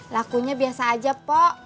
lakunya biasa aja pok